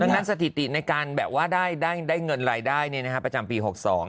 ดังนั้นสถิติในการแบบว่าได้เงินรายได้ประจำปี๖๒